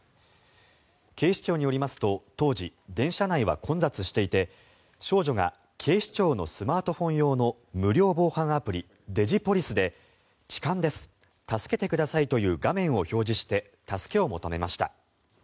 警視庁によりますと当時、電車内は混雑していて少女が警視庁のスマートフォン用の無料防犯アプリデジポリスで「痴漢です助けてください」という画面を表示して助けを求めました。